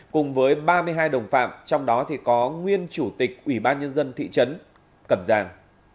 cùng với ba mươi hai đồng phạm trong đó có nguyên chủ tịch ủy ban nhân dân thị trấn cẩm giàng